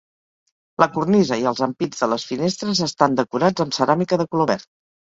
La cornisa i els ampits de les finestres estan decorats amb ceràmica de color verd.